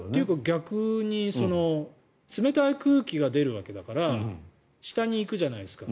逆に冷たい空気が出るわけだから下に行くじゃないですか。